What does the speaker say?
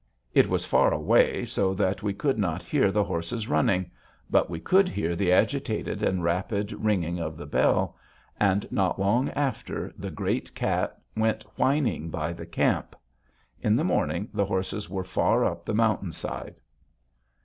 It was far away, so that we could not hear the horses running. But we could hear the agitated and rapid ringing of the bell, and, not long after, the great cat went whining by the camp. In the morning, the horses were far up the mountain side.